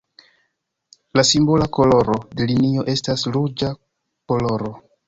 La simbola koloro de linio estas ruĝa koloro.